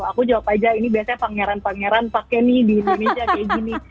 aku jawab aja ini biasanya pangeran pangeran pakai nih di indonesia kayak gini